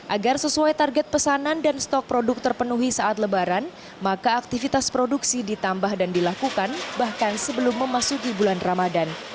agar sesuai target pesanan dan stok produk terpenuhi saat lebaran maka aktivitas produksi ditambah dan dilakukan bahkan sebelum memasuki bulan ramadan